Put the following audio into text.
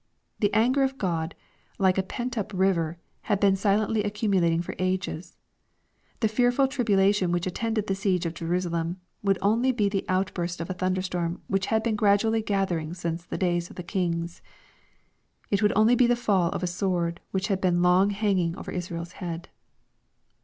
The anger of God, like a pent up river, had been silently accumulating for ages. The fearful tribulation which attended the siege of Jerusalem, would on*y be the outburst of a thunderstorm which had been gradually gathering since the days of the kings. It would only be the fall of a sword which had been long hanging over Israel's head.